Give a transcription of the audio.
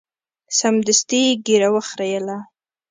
سمدستي یې ږیره وخریله.